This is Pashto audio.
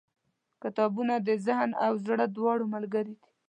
• کتابونه د ذهن او زړه دواړو ملګري دي.